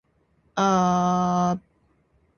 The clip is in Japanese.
建前と本心の大乱闘がおきた。